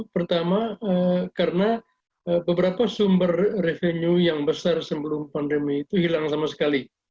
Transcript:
pertama karena beberapa sumber revenue yang besar sebelum pandemi itu hilang sama sekali